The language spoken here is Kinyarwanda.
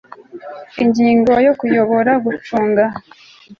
Ingingo ya Kuyobora gucunga